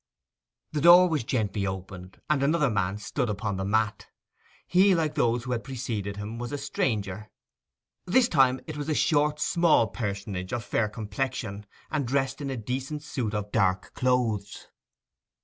The door was gently opened, and another man stood upon the mat. He, like those who had preceded him, was a stranger. This time it was a short, small personage, of fair complexion, and dressed in a decent suit of dark clothes.